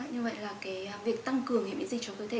như vậy là cái việc tăng cường hệ miễn dịch cho cơ thể